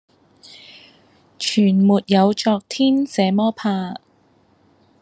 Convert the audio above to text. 全沒有昨天這麼怕，